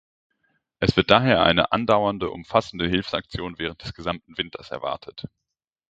Es wird daher eine andauernde umfassende Hilfsaktion während des gesamten Winters erwartet.